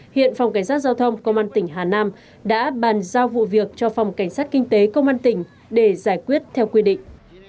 hiện phòng cảnh sát giao thông công an tỉnh hà nam đã bàn giao vụ việc cho phòng cảnh sát kinh tế công an tỉnh để giải quyết theo quy định